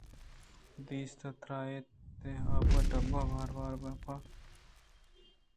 دستے تر ّاِت اَنت ءُآ پ ءِ ٹبءَ وار وارءَ آپاں ترّینز دیان اَت کہ کاف ءِ دپ ءُدیم ءَ چٹّ گرگ ءَ اِت اَنت